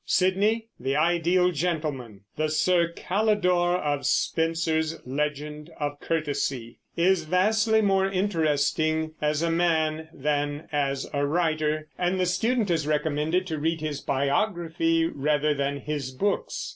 Sidney, the ideal gentleman, the Sir Calidore of Spenser's "Legend of Courtesy," is vastly more interesting as a man than as a writer, and the student is recommended to read his biography rather than his books.